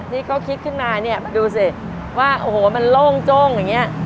นี่ก็คิดขึ้นมาเนี่ยดูสิว่าโอ้โหมันโล่งโจ้งอย่างนี้